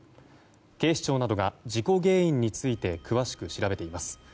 警視庁などが事故原因について詳しく調べています。